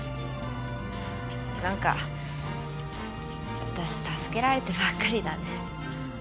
何かわたし助けられてばっかりだね。